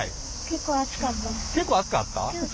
結構熱かった？